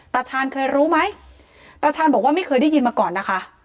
ตาชาญเคยรู้ไหมตาชาญบอกว่าไม่เคยได้ยินมาก่อนนะคะ